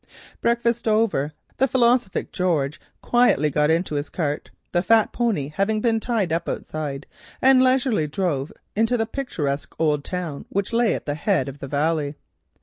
Breakfast over, the philosophic George got into his cart, the fat pony having been tied up outside, and leisurely drove into the picturesque old town which lay at the head of the valley.